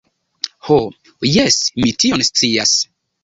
Ho, jes, mi tion scias.